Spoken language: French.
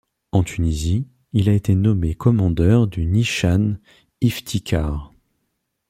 En Tunisie, il a été nommé commandeur du Nichan Iftikhar.